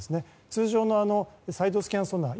通常のサイドスキャンソナー